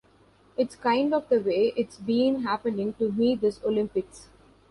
It's kind of the way it's been happening to me this Olympics.